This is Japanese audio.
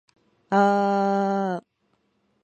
あああああああああああああああああああ